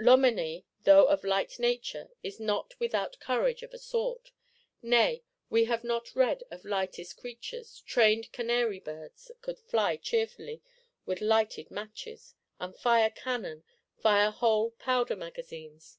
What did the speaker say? Loménie, though of light nature, is not without courage, of a sort. Nay, have we not read of lightest creatures, trained Canary birds, that could fly cheerfully with lighted matches, and fire cannon; fire whole powder magazines?